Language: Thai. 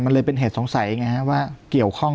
มันเลยเป็นเหตุสงสัยไงฮะว่าเกี่ยวข้อง